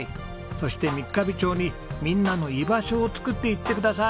そして三ヶ日町にみんなの居場所を作っていってください！